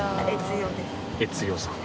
悦代さん。